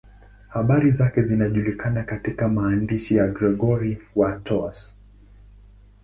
Habari zake zinajulikana katika maandishi ya Gregori wa Tours.